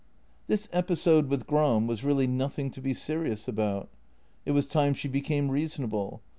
This episode with Gram was really nothing to be serious about. It was time she became reasonable.